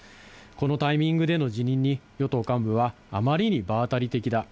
このタイミングでの辞任に、与党幹部は、あまりに場当たり的だ。